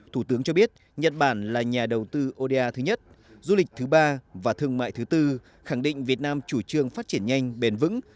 thủ tướng cho biết nhật bản là nhà đầu tư oda thứ nhất du lịch thứ ba và thương mại thứ tư khẳng định việt nam chủ trương phát triển nhanh bền vững